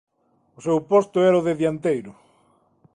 O seu posto era o de dianteiro.